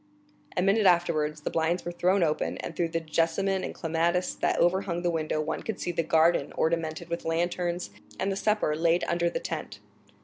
A minute afterwards the blinds were thrown open, and through the jessamine and clematis that overhung the window one could see the garden ornamented with lanterns, and the supper laid under the tent.